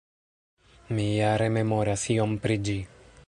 Mi ja rememoras iom pri ĝi.